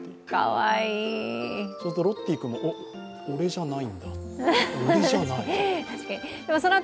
ロッティ君も俺じゃないんだと。